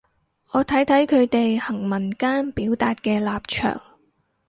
我睇睇佢哋行文間表達嘅立場